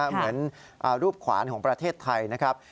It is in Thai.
เหมือนรูปขวานของประเทศไทยนะครับ